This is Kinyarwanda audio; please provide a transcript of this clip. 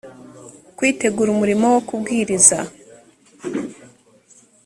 kwitegura umurimo wo kubwiriza